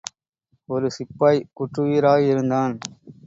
ஒரு சிப்பாய் குற்றுயிராயிருந்தான்.